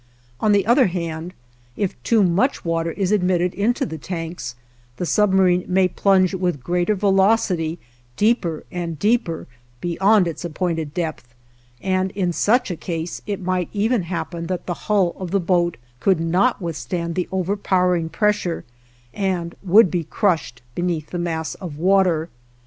On the other hand, if too much water is admitted into the tanks, the submarine may plunge with great velocity deeper and deeper beyond its appointed depth, and in such a case it might even happen that the hull of the boat could not withstand the overpowering pressure and would be crushed beneath the mass of water.